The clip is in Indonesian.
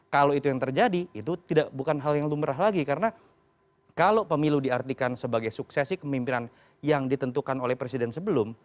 kalau itu yang terjadi itu bukan hal yang lumrah lagi karena kalau pemilu diartikan sebagai suksesi kemimpinan yang ditentukan oleh presiden sebelum